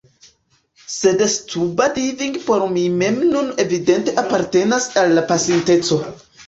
Sed scuba diving por mi mem nun evidente apartenas al la pasinteco.